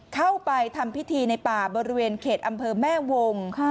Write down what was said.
เข้าไปทำพิธีในป่าบริเวณเขตอำเภอแม่วง